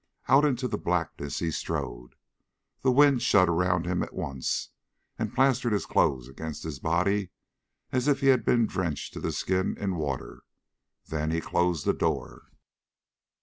Out into the blackness he strode. The wind shut around him at once and plastered his clothes against his body as if he had been drenched to the skin in water. Then he closed the door.